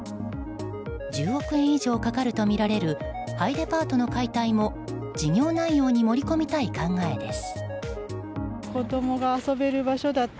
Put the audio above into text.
１０億円以上かかるとみられる廃デパートの解体も事業内容に盛り込みたい考えです。